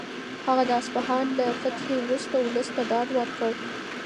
هغه د اصفهان له فتحې وروسته ولس ته ډاډ ورکړ.